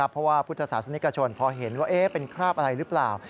เพราะว่าพุทธศาสนิกชนพอเห็นว่าเป็นคราบอะไรหรือเปล่า